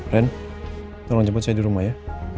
ren tolong cepat saya di rumah ya